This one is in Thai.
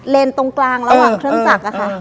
ตรงกลางระหว่างเครื่องจักรอะค่ะ